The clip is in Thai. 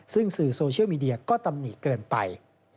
ซึ่งสื่อโซเชียลมีเดียก็ตำหนิเกินไป